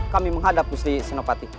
kami menghadap gusti senopati